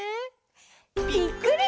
ぴっくり！